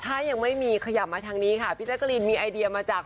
ถ้ายังไม่มีขยับมาทางนี้ค่ะพี่แจ๊กรีนมีไอเดียมาจาก